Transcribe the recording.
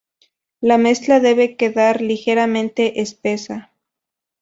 La mezcla debe quedar ligeramente espesa.